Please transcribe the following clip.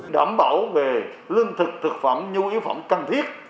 đảm bảo về lương thực thực phẩm nhu yếu phẩm cần thiết